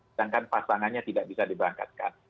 sedangkan pasangannya tidak bisa diberangkatkan